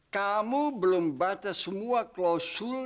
kamu belum baca semua klausul